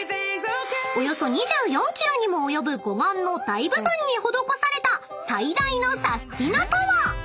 ［およそ２４ｋｍにも及ぶ護岸の大部分に施された最大のサスティな！とは？］え⁉